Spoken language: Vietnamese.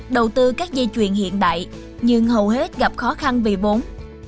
đầu tư các dây chuyền hiện đại nhưng hầu hết gặp khó khăn vì vốn